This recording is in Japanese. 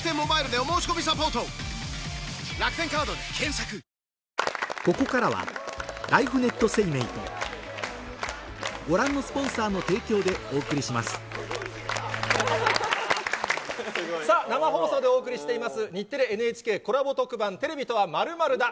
さあ、続いては日テレなんでさあ、生放送でお送りしています、日テレ×ＮＨＫコラボ特番、テレビとは、○○だ。